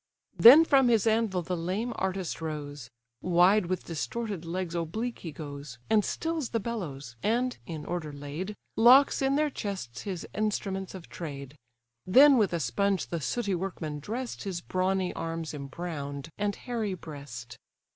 Then from his anvil the lame artist rose; Wide with distorted legs oblique he goes, And stills the bellows, and (in order laid) Locks in their chests his instruments of trade. Then with a sponge the sooty workman dress'd His brawny arms embrown'd, and hairy breast.